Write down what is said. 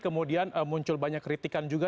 kemudian muncul banyak kritikan juga